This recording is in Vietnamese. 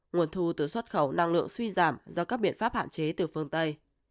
nguồn thu từ xuất khẩu năng lượng suy giảm do các biện pháp hạn chế từ phương tây